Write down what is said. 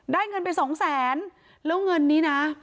ได้เงินเป็นสองแสนแล้วเงินนี้น่ะ